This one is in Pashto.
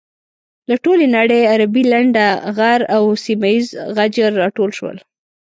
له ټولې نړۍ عربي لنډه غر او سيمه یيز غجر راټول شول.